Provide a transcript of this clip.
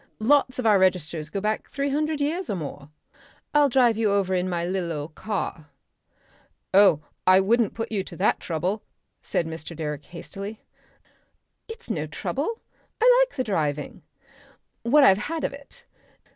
Lots of our registers go back three hundred years or more. I'll drive you over in my lil' old car." "Oh! I wouldn't put you to that trouble," said Mr. Direck hastily. "It's no trouble. I like the driving. What I have had of it.